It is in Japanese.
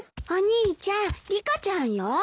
お兄ちゃんリカちゃんよ。